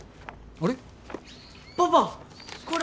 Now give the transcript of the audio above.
あれ？